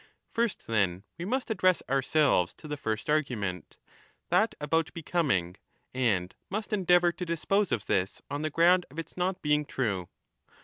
First, then, we must address ourselves to the first argu 5 ment,^ that about becoming, and must endeavour to dispose of this on the ground of its not being true.